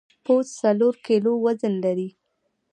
پوست څلور کیلو وزن لري.